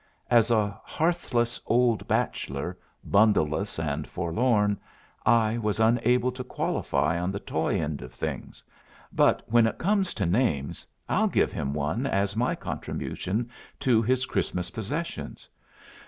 As a hearthless old bachelor, bundleless and forlorn, I was unable to qualify on the toy end of things, but when it comes to names, I'll give him one as my contribution to his Christmas possessions."